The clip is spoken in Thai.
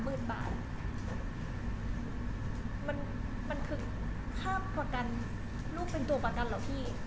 มันมันคือค่าประกันลูกเป็นตัวประกันเหรอพี่